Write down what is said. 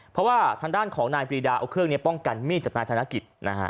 เพราะว่าทางด้านของนายปรีดาเอาเครื่องนี้ป้องกันมีดจากนายธนกิจนะฮะ